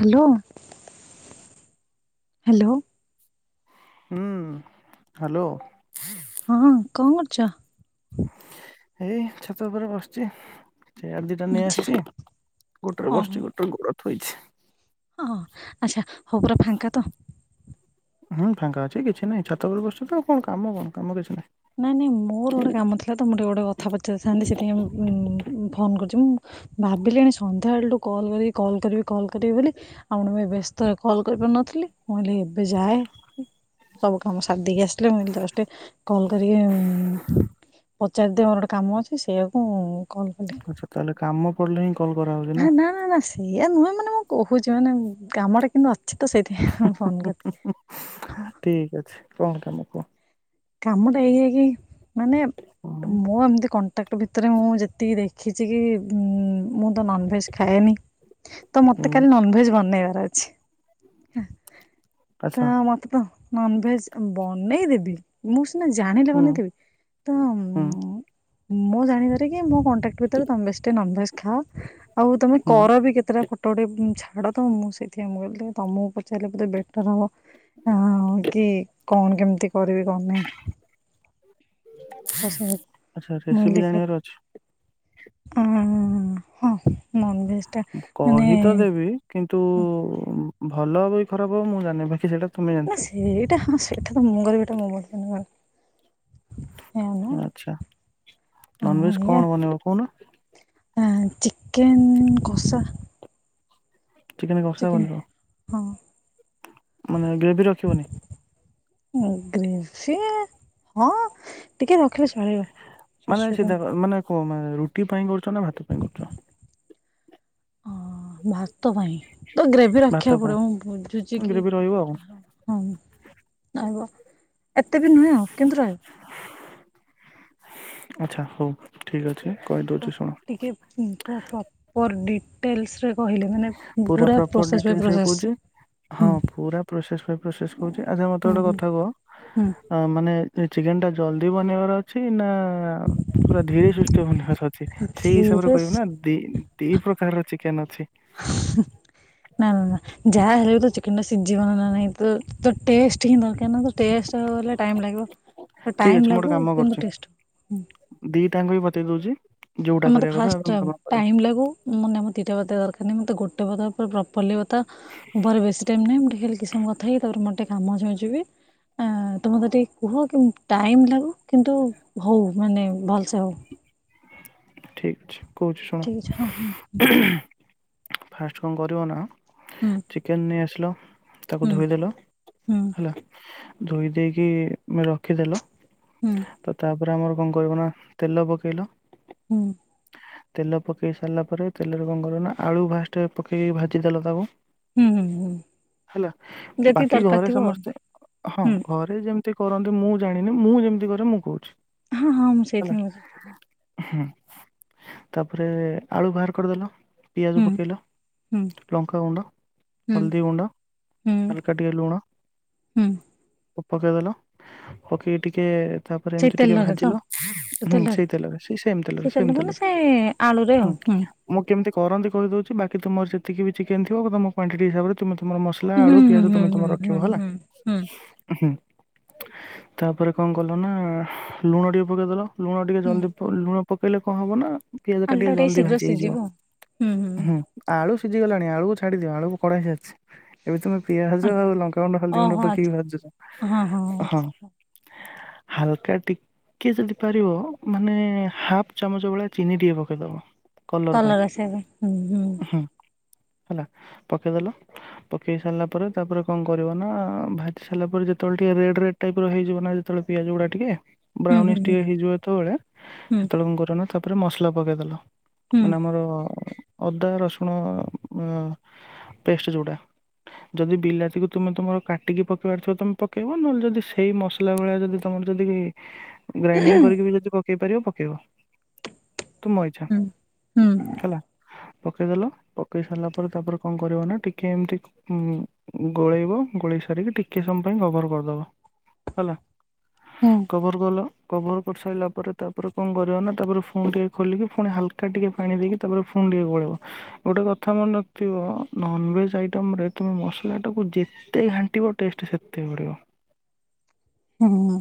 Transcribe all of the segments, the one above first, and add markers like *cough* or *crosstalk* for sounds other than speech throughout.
Hello. Hello. ହୁଁ hello. ହଁ କଣ କରୁଚ? ଏଇ ଛାତ ଉପରେ ବସଚି। ଚେୟାର ଦିଟା ନେଇ ଆଚ୍ଛା ଆସଚି ଗୋଟରେ ବସଚି ଗୋଟରେ ଗୋଡ ଥୋଇଛି। ଅଁ ହଁ ଆଚ୍ଛା ହଉ ପୁରା ଫାଙ୍କା ତ? ହଁ ଫାଙ୍କା ଅଛି କିଛି ନାହିଁ ଛାତ ଉପରେ ବସଚି ତ ଆଉ କଣ କାମ କଣ କାମ କିଛି ନାହିଁ। ନାଇଁ ନାଇଁ ମୋର ଗୋଟେ କାମ ଥିଲା ତ ମୋତେ ଗୋଟେ କଥା ପଚାରିଥାନ୍ତି ସେଇଥିପାଇଁଁ ଉଁ-ଉଁ ଫୋନ୍ କରଚି ମୁଁ। ଭାବିଲିଣି ସନ୍ଧ୍ୟା ବେଳଠୁ କଲ୍ କରିକି କଲ୍ କରିବି କଲ୍ କରିବି ବୋଲି। ଆଉ *unintelligible* ବେସ୍ତରେ କଲ୍ କରି ପାରୁ ନଥିଲି ମୁଁ କହିଲି ଏବେ ଯାଏ। ସବୁ କାମ ସାର୍ ଦେଇକି ଆସିଲେ ମୁଁ ଏବେ ଜଷ୍ଟ ଟି କଲ୍ କରିକି ଉଁ ପଚାରିଦିଏ ମୋର ଗୋଟେ କାମ ଅଛି ସେଇଆକୁ କଲ୍ କଲି ଆଛା ତାହେଲେ କାମ ପଡିଲେ ହିଁ କ ହା ନା-ନା-ନା ସେଇଆ ନୁହେଁ ମାନେ ମୁଁ କହୁଚି ମାନେ କାମଟା କିନ୍ତୁ ଅ ଅଛି ତ ସେଇଥି ହୁଁ ଫୋନ କଲି ହଁ। ଠିକ୍ ଅଛି। କଣ କାମ କୁହ? କାମ ଟା ଏଇଆକି ମାନେ ହୁଁ ମୁଁ ଏମତି କ ତାକ ଭିତରେ ମୁଁ ଯେତିକି ଦେଖିଚି କି ଉଁ ମୁଁ ତ ନନଭେଜ୍ ଖାଏନି। ତ ମତେ ହୁଁ କାଲି ନନଭେଜ ବନେଇବାର ଅଛି। ଆଚ୍ଛା ତା ମତେ ତ ନନଭେଜ ଆ ବନେଇ ଦେବି। ମୁଁ ସିନା ଜାଣିଲେ ହୁଁ ବନେଇଦେବି ତ ହୁଁ ଉଁ ମୋ ଜାଣିବାରେ କି ମୁଁ କଣ ଟାକୁଇ ତାକୁ ତମେ ବେଶୀ ଟିଏ ନନଭେଜ୍ ଖାଅ। ଆଉ ତମେ ହୁଁ କର ବି କେତେଟା ପ ଟଡ଼େ ଉଁ ଛାଡ଼ ତ ମୁଁ ସେଇଥିପାଇଁ ମୁଁ କହିଲି ଟିକେ ତମୁକୁ ପଚାରିଲେ ପୁରା ବେଟର୍ ହବ। ହାଁ ହଁ ହଁ କି କଣ କେମିତି କରିବି କଣ ନାଇଁ। ଓ ସେ ମୁଁ ଆଚ୍ଛା ଅଇଲି ରେସିପି ଜାଣିବାର ଅଛି ଦେଖିଆ ଅଁ ହଁ ନନଭେଜ୍ ଟା ମାନେ କହି ତ ଦେବି କିନ୍ତୁ ଭଲ ହବ କି ଖରାପ ହବ ମୁଁ ଜାଣିନେଇ ବାକି ସେଟା ନାଁ ସେଇଟା ହଁ ସେଇଟା ତ ମୁଁ କରିବାଟା ମୋ ପକ୍ଷେ ନୂଆ। ଆଚ୍ଛା ନନଭେଜ୍ କଣ ବନେଇବ କୋହୁନ? ଆଁ ଚିକେନ୍ କଷା। ଚିକେନ୍ କଷା ବନେଇବ। ହଁ। ମାନେ ଗ୍ରେଭି ରଖିବନି? ଉଁ ଗ୍ରେଭି ହଁ। ଟିକେ ରଖିଲେଶ୍ ମାନେ ସିଧା କ ମାନେ କ ମା ରୁଟି ପାଇଁ କରୁଚ ନା ଭାତ ପାଇଁ କରୁଚ? ହଁ ଭାତ ପାଇଁ ତ ଗ୍ରେଭି ଭାତ ରଖିବାକୁ ପାଇଁ ପଡ଼ିବ ମୁଁ ବୁଝୁଚି କି ଗ୍ରେଭି ରହିବ ଆଉ ହଁ ରହିବ ଏତେ ବି ନୁହେଁ ଆଉ କିନ୍ତୁ ରହି ଆଚ୍ଛା ହଉ ଠିକ୍ ଅଛି ତ କହିଦଉଚି ଶୁଣ। ଟିକେ ଉଁ ପୁରା ପ୍ରପର୍ ଡିଟେଲ୍ସରେ କହିଲେ। ମାନେ ପୁରା ପ୍ରପର ପ୍ରୋସେସ୍ ବାଇ ଡିଟେଲସ୍ ରେ ପ୍ରୋସେସ୍ କହୁଚି। ହୁଁ ହଁ ପୁରା ପ୍ରୋସେସ୍ ବାଇ ପ୍ରୋସେସ୍ କହୁଚି ଆଚ୍ଛା ମତେ ହୁଁ ଗୋଟେ ହୁଁ କଥା କୁହ ହୁଁ ଅଁ ମାନେ ଏ ଚିକେନ୍ ଟା ଜଲ୍ଦି ବନେଇବାର ଅଛି। ନାଁ ଆଁ ପୁରା ଧୀରେ ସୁସ୍ଥେ ବନେଇବାର ଅଛି ସେଇ ହିସାବରେ ଧୀରେ କହିବି ନାଁ। ଦି ଦି ପ୍ରକାରର ଚିକେନ୍ ଅଛି। ନାଁ ନାଁ ନାଁ। ଯାହା ହେଲେ ବି ଚିକେନ୍ ଟା ସିଜିବନା ନାଁ ନାହିଁ ତୁ ତୁ ଟେଷ୍ଟ ହିଁ ଦରକାର ନାଁ। ତ ଟେଷ୍ଟ ହବ ବଲେ ଟାଇମ୍ ଲାଗିବ। ତ ଟାଇମ୍ ଲାଗୁ କିନ୍ତୁ ଟେଷ୍ଟ ଦିଟାଙ୍କ ବି ବତେଇ ଦଉଚି। ଆ ମତେ ଫାଷ୍ଟ ଟା ଟାଇମ୍ ଲାଗୁ ମୁଁ ନାଁ ମୁଁ ଦିଟା ବତେଇ ଦରକାର ନାହିଁ ମତେ ଗୋଟେ କଥା ପୁରା ପ୍ରପରଲି ବ ତ ମୋ ପାଖରେ ବେଶୀ ଟାଇମ୍ ନାହିଁ। ମୁଁ ଟିକେ ଖାଲି କି ସମୟ କଥା ହେଇ ତାପରେ ମଟେ କାମ ଅଛି ମୁଁ ଯିବି। ଆ ତୁ ମତେ ଟିକେ କୁହ କି ଟାଇମ୍ ଲାଗୁ କିନ୍ତୁ ହଉ ମାନେ ଭଲସେ ହଉ। ଠିକ୍ ଛି କହୁଛି ଶୁ ଆଚ୍ଛା ହଁ ହୁଁ ହୁଁ। ଫାଷ୍ଟ କଁ କରିବ ନାଁ ହୁଁ। ଚିକେନ୍ ନେଇ ଆସିଲ ତାକୁ ହୁଁ ଧୋଇଦେଲ, ହୁଁ ହେଲା? ଧୋଇ ଦେଇକି ରଖିଦେଲ ହୁଁ ହୁଁ ତ ତା ପୁରା ମୋର କଁ କଇବ ନାଁ ତେଲ ପକେଇଲ ହୁଁ। ତେଲ ପକେଇ ସାରିଲା ପରେ ତେଲରେ କଁ କରିବ ନାଁ ଆଳୁ ଭାଷ୍ଟେ ପକେଇ ଭାଜି ଦେଲ ତାକୁ। ହୁଁ ହୁଁ ହୁଁ ହେଲା ଯେତିକି ବାକି ଦରକାର ଘରେ ଥିବ ଆଉ ସମସ୍ତେ ହଁ ହୁଁ ଘ ରେ ଯେମତି କରନ୍ତି ମୁଁ ଜାଣିନି ମୁଁ ଯେମିତି କରେ ମୁଁ କହୁଚି। ହଁ ହଁ ମୁଁ ସେଇଥିପାଇଁ ଏତେ ହୁଁ ତାପରେ ଆଳୁ ବାହାର କରିଦେଲ। ପିଆଜ ହୁଁ ପକେଇଲା୍ ହୁଁ ଲଙ୍କା ଗୁଣ୍ଡ, ହୁଁ ହଳଦୀ ଗୁଣ୍ଡ। ହୁଁ ହାଲକା ଟିକେ ଲୁଣ ହୁଁ ପ ପକେଇଦେଲ ପକେଇକି ଟିକେ ତାପରେ ସେଇ ଏମିତି ଟିକେ ତେଲରେ ତ ଭାଜିଲ ହୁଁ ସେଇ ତେଲରେ ସେଇ ସେମ୍ ସେ ତେଲରେ ତେଲ ସେମ ମାନେ ତେଲରେ। ସେ ଆଳୁରେ ଆଉ ହୁଁ ମୁଁ କେମିତି କରନ୍ତି କହିଦୋଉଚି ବାକି ତମର ଯେତିକି ବି ଚିକେନ୍ ଥିବ ତମ କ୍ୱଵଣ୍ଟିଟି ହିସାବରେ ତମେ ତମର ମସଲା ହୁଁ ଆଳୁ ହୁଁ ପିଆଜ ହୁଁ ତମେ ହୁଁ ତମର ରଖିବ ହୁଁ ହେଲା ହୁଁ ହୁଁ ହୁଁ। ତାପରେ କଣ କଲ ନା ଲୁଣ ଟିକେ ପକେଇଦେଲ ଲୁଣ ଟିକେ ହୁଁ ଜଲଦି ଲୁଣ ପକେଇଲେ କଣ ହବ ନା ପିଆଜ ଟା ଆଳୁଟା ଟିକେ ଜଲଦି ଶୀଘ୍ର ଭାଜି ହେଇଯିବ ସିଝିବ ଆଉ। ହୁଁ। ଆଳୁ ସିଝିଗଲାଣି ଆଳୁକୁ ଛାଡିଦିଅ ଆଳୁ କଡା ହେଇଯସିଛି। ଏବେ ତୁମେ ପିଆଜ ଆ ଆଉ ଲଙ୍କାାଗୁଣ୍ଡ ହଳଦୀ ଗୁଣ୍ଡ ଓହୋ ପକେଇକି ଆଚ୍ଛା ଭାଜ ହଁ ହଁ। ଆଚ୍ଛା ହାଲକା ଟିକେ ଯଦି ପାରିବ ମାନେ ହାଫ ଚାମଚ ଭଳିଆ ଚିନି ଟିକେ ପକେଇଦବ କଲର ପାଇଁ କଲରା ଆସିବା ପାଇଁ ହୁଁ। ହେଲା ପକେଇଦେଲ। ପକେଇ ସାରିଲା ପରେ ତାପରେ କଣ କରିବ ନା ଭାଜି ସାରିଲା ପରେ ଯେତେବେଳେ ଟିକେ ରେଡ୍ ରେଡ୍ ଟାଇପ୍ ର ହେଇଯିବ ନା ଯେତେବେଳେ ପିଆଜ ଗୁଡା ଟିକେ ହୁଁ ବ୍ରାଉନିଶ୍ ହୁଁ ଟିକେ ହେଇଯିବ ଯେତେବେଳେ ହୁଁ ସେତେବେଳେ ଙ୍କ କରିବନା ତାପରେ ମସଲା ପକେଇଦେଲ। ହୁଁ ମାନେ ଆମର ଅଦା ରସୁଣ ପେଷ୍ଟ ଜୋ ଉଟା ଯଦି ବିଲାତିକୁ ତୁମେ ତମର କାଟିକି ପକେଇବାର ଥିବ ତମେ ପକେଇବ ନହେଲେ ଯଦି ସେଇ ମ ଥିଲାବେଳେ ଯଦି ତୁମର ଯଦି କେହି ଗ୍ରାଇଣ୍ଡିଙ୍ଗ କରିକି ବି ଯଦି ପକେଇ ପାରିବ ପକେଇବ। ତୁମ ଅଛ। ହୁଁ ହୁଁ। ପକେଇଦେଲ ପକେଇ ସାରିଲା ପରେ ତାପରେ କଣ କରିବ ନା ଟିକେ ଏମିତି ହୁଁ ଗୋଳେଇବ ଗୋଳେଇ ସାରିକି ଟିକେ ସମୟ ପାଇଁ କଭର କରିଦବ। ହେଲା। ହୁଁ। କଭର କଲ କଭର କରିଶାଲା ପରେ ତାପରେ କଣ କରିବା ନା ତାପରେ ଫୁ ପୁଣି ଟିକେ ଖୋଲିକି ପୁଣି ହାଲକା ଟିକେ ପାଣି ଦେଇକି ତାପରେ ପୁଣି ଟିକେ ଗୋଳିବ। ଗୋଟେ କଥା ମନେ ରଖଥିବ ନନଭେଜ ଆଇଟମ୍ ରେ ତମେ ମସଲା ଟାକୁ ଯେ ଏତେ ଘାଣ୍ଟିବ ଟେଷ୍ଟ ସେତେ ବଡ଼ିବ। ହୁଁ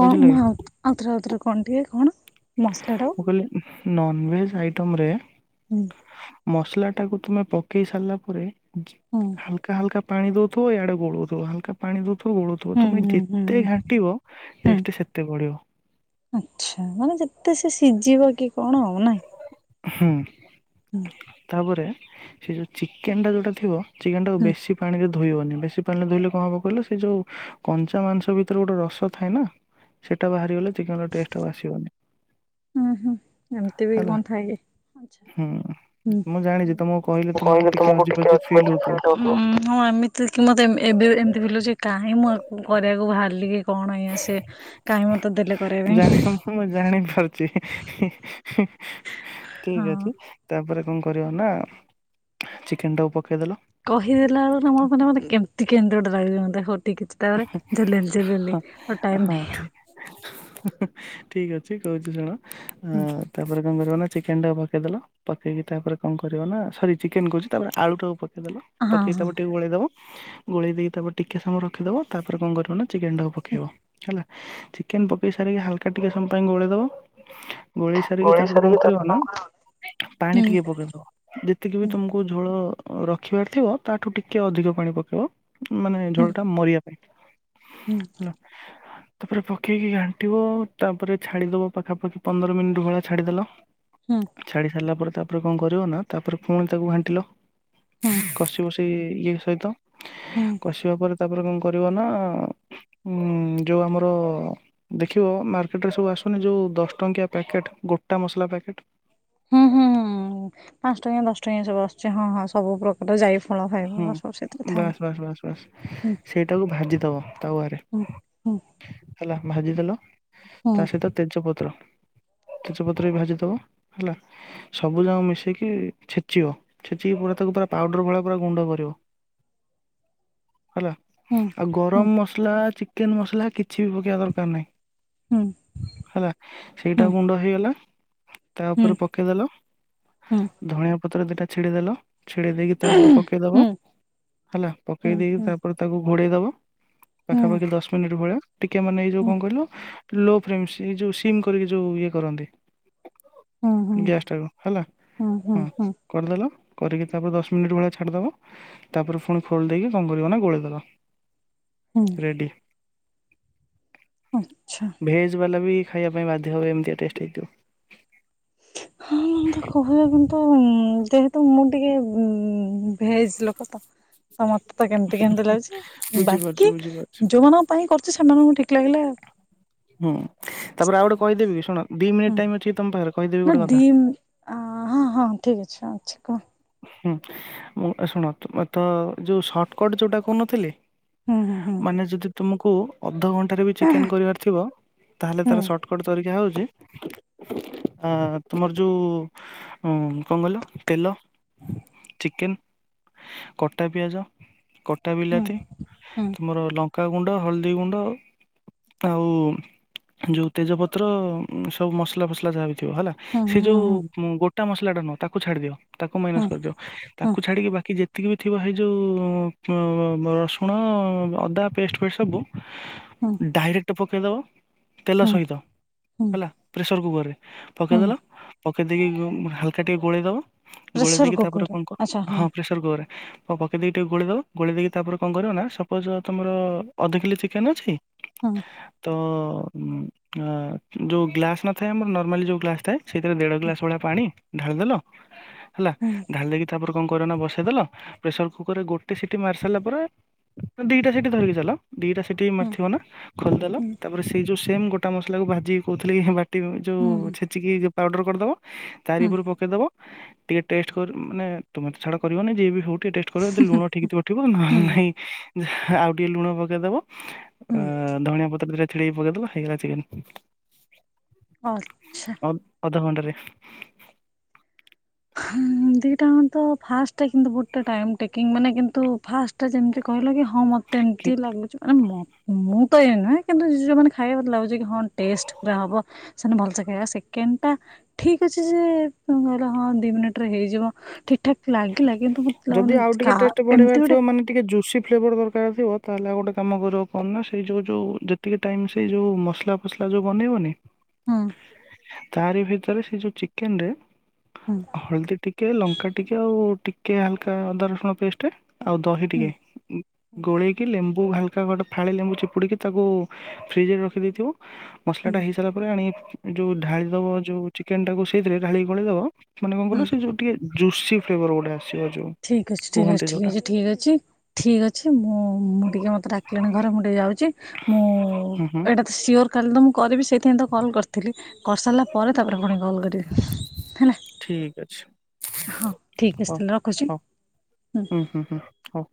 ବୁଝିଲ କଣ କି ଆଉଥରେ ଆଉଥରେ କଣ ଟିକେ କଣ ମସଲା ଟାକୁ ନନ୍ଭେଜ୍ ଆଇଟମରେ ହୁଁ। ମସଲା ଟାକୁ ତମେ ପକେଇ ସାରିଲା ପରେ ହୁଁ। ହାଲକା ହାଲକା ପାଣି ଦେଉଥିବ ଇଆଡ଼େ ଗୋଳଉଥିବ ହାଲକା ପାଣି ଦେଉଥିବ ଗୋଳଉଥିବ ହୁଁ ତୁମେ ହୁଁ ହୁଁ ଯେତେ ଘାଣ୍ଟିବ ଟେଷ୍ଟ ସେତେ ବଢିବ। ଆଛା ମାନେ ଯେତେ ସେ ସିଝିବ କି କଣ ଆଉ ନା। ହୁଁ। ହୁଁ। ତାପରେ ସେ ଯୋଉ ଚିକେନ ଟା ଯୋଉଟା ଥିବ ଚିକେନ ଟାକୁ ହୁଁ ବେଶୀ ପାଣିରେ ଧୋଇବନି ବେଶୀ ପାଣି ରେ ଧୋଇଲେ କଣ ହବ କହିଲ ସେ ଯୋଉ କଞ୍ଚା ମାଂସ ଭିତରେ ଗୋଟେ ରସ ଥାଏ ନା ସେଇଟା ବାହାରି ଗଲେ ଚିକେନ ର ଟେଷ୍ଟ ଆଉ ଆସିବନି ହୁଁ ହୁଁ ଏମିତି ବି ହେଲା କଣ ଥାଏ କି? ଆଛା ହୁଁ। ମୁଁ ଜାଣିଛି ତମକୁ କହିଲେ ହୁଁ କହିଲି ତମକୁ ଅଜିବ ଟିକେ ଅଜିବ ଫିଲ୍ ହଉଥିବ ଅ ଉଁ ହଁ ଏମିତି କି ମତେ ଏବେ ଏମିତି ବୁଲୁଛି କାହିଁକି ମୁଁ ଆକୁ କରିବାକୁ ବାହାରିଲି କି? କଣ ଆଜ୍ଞା ସେ କାହିଁ ମୋତେ ଦେଲେ କରିବା ଜାଣି ପାଇଁ। ମୁଁ ଜାଣିପାରୁଛି *inaudible* ଠିକ ହଁ। ଅଛି ତାପରେ କଣ କ ରିବ ନା ଚିକେନ୍ଟାକୁ ପକେଇଦେଲ କହିଦେଲା *unintelligible* କେମିତି କେମିତି ଗୋଟେ ଲାଗିବ ମତେ ହୋ ଠିକ୍ ଅଛି ତାପରେ ଜଲଲି ହଁ ଜଲରଲି ମ ଟାଇମ୍ ହଁ ନାହିଁ ଆଉ। *inaudible* ଠିକ ଅଛି କହୁଛିୁ ଶୁଣ ଅଁ ତାପରେ କଂ କରିବ ନା ଚିକେଟା କୁ ପକେଇଦେଲ ପକେଇକି ତାପରେ କଣ କରିବ ନା ସରି ଚିକେନ କହୁଛି ତାପରେ ଆଳୁଟାକୁ ପକେଇଦେଲ ହଁ ପକେଇ ହଁ। ତାପରେ ଟିକେ ଗୋଳେଇ ଦବ ଗୋଳେଇ ଦେଇକି ତାପରେ ଟିକେ ସମୟରେ ରଖିଦବ ତାପରେ କଣ କରିବ ନା ଚିକେନ ଟାକୁ ପକେଇବ ହେଲା ଚିକେନ ପକେଇ ସାରିକି ହାଲକା ଟିକେ ସମ ପାଇଁ ଗୋଳେଇ ଦବ ଗୋଳେଇ ସାରିକି ତାପରେ କଣ କରିବ ନା ପାଣି ଟିକେ ହୁଁ ପକେଇଦବ। ଯେତିକି ବି ତୁମକୁ ଝୋଳ ରଖିବାର ଥିବ ତାଠୁ ଟିକେ ଅଧିକ ପାଣି ପକେଇବ ମାନେ ହୁଁ ଝୋଳ ଟା ମରିବା ପାଇଁ ହୁଁ! ହେଲା ତାପରେ ପକେଇକି ଘାଣ୍ଟିବ ତାପରେ ଛାଡିଦବ ପାଖାପାଖି ପନ୍ଦର ମିନିଟ ଭଳିଆ ଛାଡିଦେଲ ହୁଁ! ଛାଡ଼ି ସାରିଲା ପରେ ତାପରେ କଣ କରିବ ନା ତାପରେ ପୁଣି ତାକୁ ଘାଣ୍ଟିଲ ହୁଁ କସିବ ସି ଏ ଇଏ ସହିତ ହୁଁ। କଷିବା ପରେ ତାପରେ କଣ କରିବ ନା ଉଁ ଯୋଉ ଆମର ଦେଖିବ ମାର୍କେଟରେ ସବୁ ଆସୁନି ଯୋଉ ଦଶ ଟଙ୍କିଆ ପ୍ୟାକେଟ ଗୋଟା ମସଲା ପ୍ୟାକେଟ ହୁଁ ହୁଁ ପାଂସ ଟଙ୍କିଆ ଦଶ ଟଙ୍କିଆ ସବୁ ଆସୁଛି ହଁ ହଁ ସବୁ ପ୍ର ଟ ଯାଇ ଫଳ ଖାଇବୁ ବା ସ ସେଥିରେ ଥା ବସ୍ ବାସ୍ ବାସ୍। ସେଇଟାକୁ ଭାଜିଦବ ତାୱାରେ ହୁଁ ହୁଁ ହେଲା ଭାଜିଦେଲ ତା ହୁଁ ସହିତ ତେଜପତ୍ର ତେଜପତ୍ର ବି ଭାଜିଦବ ହେଲା। ସବୁ ଯାକ ମିଶେଇକି ଛେଚିବ ଛେଚିକି ପୁରା ତାକୁ ପୁରା ପାଉଡର ଭଳିଆ ପୁରା ଗୁଣ୍ଡ କରିବ ହେଲା। ହୁଁ! ଆଉ ଗରମ ମସଲା ଚିକେନ ମସଲା କିଛି ବି ପକେଇବା ଦରକାର ନାହିଁ। ହୁଁ! ହେଲା ସେଇଟା ହୁଁ ଗୁଣ୍ଡ ହେଇଗଲା ତା ହୁଁ ଉପରେ ପ ପକେଇଦଲ ହୁଁ ହୁଁ। ଧଣିଆ ପତ୍ର ଦିଟା ଛିଡିଦେଲ ଛିଡେଇ ଦେଇକି ତାପରେ ପକେଇଦବ ହୁଁ ହେଲା ପକେଇ ହୁଁ ଦେଇକି ହୁଁ ତାପରେ ତାକୁ ଘୋଡେଇଦବ। ହୁଁ ପାଖାପାଖି ଦଶ ମିନିଟ୍ ଭଳିଆ ଟିକେ ମାନେ ଏଇ ଯୋଉ ହୁଁ କଣ କହିଲ ଲୋ ଫ୍ରେମସ୍ ଏ ଯୋଉ ସିମ୍ କରିକି ଯୋଉ ଇଏ କରନ୍ତି। ଗ୍ୟାସ୍ ଟାକୁ ହେଲା ହଁ ହୁଁ ହୁଁ ହୁଁ ହୁଁ ହୁଁ କରିଦେଲ କରିକି ତାପରେ ଦଶ ମିନିଟ ଭଳିଆ ଛା ଛାଡି ଦବ ତାପରେ ପୁଣି ଖୋଲି ଦେଇକି କଂ କରିବ ନା ଗୋଳେଇଦେଲ। ହୁଁ। ରେଡ଼ି। ଆଚ୍ଛା। ଭେଜ୍ ବାଲା ବି ଖାଇବା ପାଇଁ ବାଧ୍ୟ ହେବ ଏମିତିଆ ଟେଷ୍ଟ ହେଇଥିବ। ହଁ। ଏମିତି କହିବା କୁ ତ କିନ୍ତୁ ଯେହେତୁ ମୁଁ ଟିକେ ଉଁ ଭେଜ ଲୋକ ତ। ତ ମତେ ତ କେମିତି କେମିତି ଲାଗୁଛି ବୁଝିପାରୁଛି ବାକି ବୁଝିପାରୁଛି। ଯୋଉମାନ ଙ୍କ ପାଇଁ କରୁଛି ସେମାନଙ୍କୁ ଠିକ୍ ଲାଗିଲେ ହୁଁ ତାପରେ ଆଉ ଗୋଟେ କହିଦେବି କି ଶୁଣ ଦି ହୁଁ ମିନିଟ୍ ଟାଇମ ଅଛି ତମ ପାଖରେ? କହିଦେବି ନା ଗୋଟେ କଥା ଦିମ୍ ହଁ ହଁ ଠିକ୍ ଅଛି ଅଛି କୁହ। ହୁଁ ମୁଁ ଶୁଣ ତୁ ତ ଯୋଉ ସର୍ଟକଟ୍ ଯୋଉଟା କହୁନଥିଲି। ହୁଁ ହୁଁ ମାନେ ଯଦି ତୁମକୁ ଅଧଘଣ୍ଟାରେ ବି ଚିକେନ କରିବାର ଥିବ ତାହେଲେ ହୁଁ ତାର ସର୍ଟ କଟ୍ ତରିକା ହଉଛି ଆ ତୁମର ଯୋଉ ଉଁ କଣ କହିଲ ତେଲ ଚିକେନ କଟା ପିଆଜ, କଟା ହୁଁ ବିଲାତି। ହୁଁ ତୁମର ଲଙ୍କାଗୁଣ୍ଡ ହଳଦୀଗୁଣ୍ଡ। ଆଉ ଯୋଉ ତେଜପତ୍ର ସବୁ ମସଲା ଫସଲା ଯାହା ବି ଥିବ ହେଲା। ହୁଁ ସେ ହୁଁ ଯୋଉ ହୁଁ ଉଁ ଗୋଟା ମସଲା ଟା ନୁହ ତାକୁ ଛାଡି ଦିଅ ତାକୁ ହୁଁ ହୁଁ ମାଇନସ୍ କରିଦିଅ। ହୁଁ ତାକୁ ଛାଡିକି ବାକି ଯେତିକି ବି ଥିବ ହେଇ ଯୋଉ ଉଁମ ରସୁଣ ଅଦା ପେଷ୍ଟ ଫେଷ୍ଟ ସବୁ ହୁଁ ଡାଇରେକ୍ଟ ପକେଇଦବ ତେଲ ହୁଁ ସହିତ ହୁଁ ହେଲା ପ୍ରେସର କୁକରରେ। ହୁଁ ପକେଇଦେଲ ପକେଇ ଦେଇକି ଉଁ ହାଲକା ଟିକେ ଗୋଳେଇ ଦବ। ଗୋଳେଇ ପ୍ରେସର ଦେଇକି ତାପରେ କୁକର କଣ କର ଆଚ୍ଛା ହଁ ପ୍ରେସର କୁକରରେ। ପକେଇ ଦେଇକି ଟିକେ ଗୋଳେଇ ଦବ ଗୋଳେଇ ଦେଇକି ତାପରେ କଣ କରିବ ନା ସପୋଜ ତମର ଅଧ କିଲେ ଚିକେନ ଅଛି। ହୁଁ। ତ ଉଁ ଆଁ ଯୋଉ ଗ୍ଲାସ ନଥାଏ ଆମର ନର୍ମାଲି ଯୋଉ ଗ୍ଲାସ ଥାଏ। ସେଇଥିରେ ଦେଢ ଗ୍ଲାସ ଭଳିଆ ପାଣି ଢାଳିଦେଲ। ହେଲା ହୁଁ ଢାଲି ଦେଇକି ତାପରେ କଣ କରିବ ନା ବସେଇ ଦେଲ ପ୍ରେସର କୁକରରେ ଗୋଟେ ସିଟି ମାରି ସାରିଲା ପରେ ଦି ଟା ସିଟି ଧରିକି ଚାଲ। ଦି ଟା ସିଠି ହୁଁ ମାରଥିବ ନା ଖୋଲ ଦେଲ ହୁଁ ତାପରେ ସେଇ ଯୋଉ ସେମ ଗୋଟା ମସଲା କୁ ଭାଜି କହୁଥିଲି କି ବା ଟି ଯୋଉ ହୁଁ ଛେଚିକି ପାଉଡ଼ର କରିଦବ ତାରି ହୁଁ ଉପରୁ ପକେଇ ଦବ। ଟିକେ ଟେଷ୍ଟ କରୁ ମାନେ ତୁମେ ତ ଛାଡ କରିବନି ଯିଏ ବି ହଉ। ଟିକେ ଟେଷ୍ଟ କର ଯଦି ଲୁଣ ଠିକ୍ ଥିବ ଥିବ ନହେଲେ ହୁଁ ନାଇଁ ଆଉ ଟିକେ ଲୁଣ ପକେଇ ଦବ। ହୁଁ ଆଁ ଧଣିଆ ପତ୍ର ଦିଇ ଟା ଛିଡେଇ ପକେଇଦେଲ ହେଇଗଲା ଚିକେନ। ହଁ। ଅମ୍ ଅଧଘଣ୍ଟାରେ ହୁଁ ଦି ଟା ଆଙ୍କ ତ ଫାଷ୍ଟ କିନ୍ତୁ ବହୁତ ଟା ଟାଇମ ଟେକିଙ୍ଗ୍ ମାନେ କିନ୍ତୁ ଫାସ୍ ଟା ଯେମିତି କହିଲ କି ହଁ ମତେ କି ଏମିତି ଲାଗୁଛି ଆଁ ମତ ମୁଁ ତ ଏଇଆ ନୁହେଁ କିନ୍ତୁ ଯୋଉ ମାନେ ଖାଇବେ ମତେ ଲାଗୁଛି କି ହଁ ଟେଷ୍ଟ ପୁରା ହବ। ସେମାନେ ଭଲ ସେ ଖାଇବା ସେକେଣ୍ଡ ଟା ଠିକ୍ ଅଛି ଯେ ମୁଁ କହିଲି ହଁ ଦି ମିନିଟରେ ହେଇଯିବ ଠିକ ଠାକ୍ ଲାଗିଲା କିନ୍ତୁ ମତେ ଯଦି ଲାଗୁନି ଆଉ ଟିକେ କାହା ଟେଷ୍ଟ ବଢେଇବାର ଏମିତି ଥିବ ଗୋଟେ ମାନେ ଟିକେ ଜୁସି ଫ୍ଲେଭର ଦରକାର ଥିବ ତାହେଲେ ଆଉ ଗୋଟେ କାମ କରିବ କଣ ନା ସେଇ ଯୋଉ ଯୋଉ ଯେତିକି ଟାଇମ୍ ସେଇ ଯୋଉ ମସଲା ଫସଲା ଯୋଉ ବନେଇବନି? ହୁଁ। ତାରି ଭିତରେ ସେ ଯୋଉ ଚିକେନ ରେ ହୁଁ। ହଳଦୀ ଟିକେ ଲଙ୍କା ଟିକେ ଆଉ ଟିକେ ହାଲକା ଅଦା ରସୁଣ ପେଷ୍ଟ। ଆଉ ଦହି ହୁଁ ଟିକେ ଇ ଗୋଳେଇକି ଲେମ୍ବୁ ହାଲ କା ଗୋଟେ ଫାଳେ ଲେମ୍ବୁ ଚିପୁଡିକି ତାକୁ ଫ୍ରିଜ ରେ ରଖିଦେଇଥିବ ମସଲା ହୁଁ ଟା ହେଇସାଇଲା ଆଣି ଯୋଉ ଢାଳି ଦବ ଯୋଉ ଚିକେନ ଟାକୁ ସେଇଥିରେ ଢାଳି ଗୋଳେଇ ଦବ ମାନେ କଣ ହୁଁ କହିଲ ସେ ଯୋଉ ଟିକେ ଜୁସି ଫ୍ଲେଭର ଗୋଟେ ଆସିବ ଯଉ। ଠିକ୍ ଅଛି, ଠିକ ଅଛି, ଠିକ୍ ଅଛି, ଠିକ୍ ଅଛି। ଠିକ ଅଛି ମୁଁ ମୁଁ ଟିକେ ମତେ ଡାକିଲିଣି ଘରେ ମୁଁ ଟିକେ ଯାଉଛି ମୁଁ ହୁଁ ହୁଁ ଏଇଟା ସିଓର କାଲି ତ ମୁଁ କରିବି ସେଇଥିପାଇଁ ତ କଲ୍ କର ଥିଲି କରିସାରିଲା ପରେ ତାପରେ ପୁଣି କଲ୍ କରିବି ହେଲା। ଠିକ୍ ଅଛି। ହଁ ଠିକ ଅଛି ହଉ ତାହେଲେ ରଖୁଛି ହଉ ହୁଁ। ହୁଁ ହୁଁ ହୁଁ। ହଉ ହଉ।